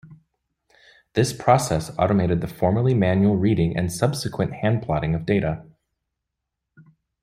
This process automated the formerly manual reading and subsequent hand-plotting of data.